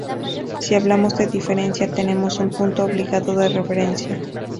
Si hablamos de diferencia, tenemos un punto obligado de referencia.